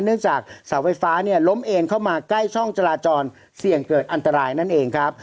จากเสาไฟฟ้าเนี่ยล้มเอ็นเข้ามาใกล้ช่องจราจรเสี่ยงเกิดอันตรายนั่นเองครับ